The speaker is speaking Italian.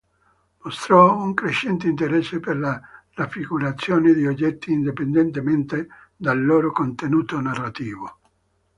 Mostrò un crescente interesse per la raffigurazione di oggetti indipendentemente dal loro contenuto narrativo.